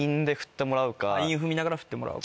韻踏みながらふってもらうか。